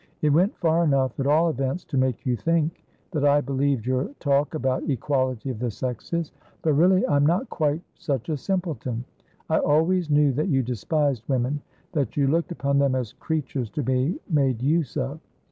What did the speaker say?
It went far enough, at all events, to make you think that I believed your talk about equality of the sexes. But really, I am not quite such a simpleton. I always knew that you despised women, that you looked upon them as creatures to be made use of.